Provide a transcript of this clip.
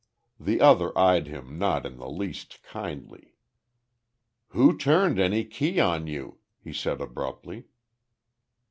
The other eyed him not in the least kindly. "Who turned any key on you?" he said abruptly.